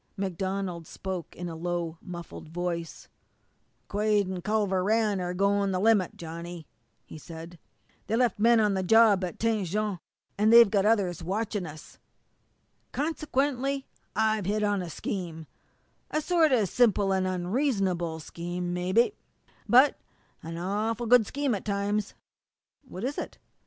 MacDonald spoke in a low, muffled voice: "Quade an' Culver Rann are goin' the limit, Johnny," he said. "They left men on the job at Tête Jaune, and they've got others watching us. Consequently, I've hit on a scheme a sort of simple and unreasonable scheme, mebby, but an awful good scheme at times." "What is it?"